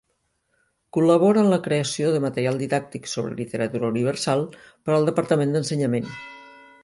Col·labora en la creació de material didàctic sobre literatura universal per al Departament d'Ensenyament.